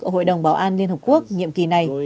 ở hội đồng bảo an liên hợp quốc nhiệm kỳ này